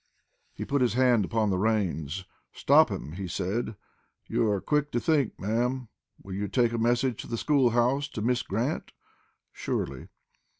He put his hand upon the reins. "Stop him," he said. "You are quick to think, madam. Will you take a message to the school house to Miss Grant?" "Surely."